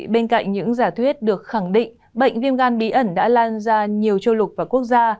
bên cạnh những giả thuyết được khẳng định bệnh viêm gan bí ẩn đã lan ra nhiều châu lục và quốc gia